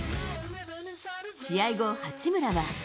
試合後、八村は。